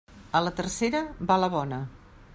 A la tercera va la bona.